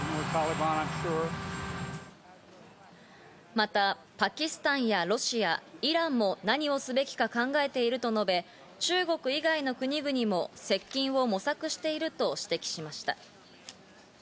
またパキスタンやロシア、イランも何をすべきか考えていると述べ、中国以外の国々も接近を模索していると指摘しました。